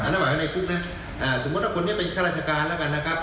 นั่นหมายในคุกนะสมมุติว่าคนนี้เป็นข้าราชการแล้วกันนะครับ